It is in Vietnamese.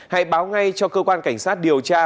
hãy báo ngay cho cơ quan cảnh sát điều tra